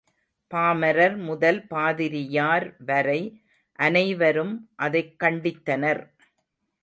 பாமரர் முதல் பாதிரியார் வரை அனைவரும் அதைக் கண்டித்தனர்.